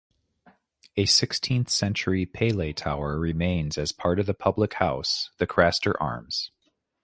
A sixteenth-century pele tower remains as part of the public house, "The Craster Arms".